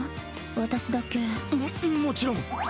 私だけ。ももちろん。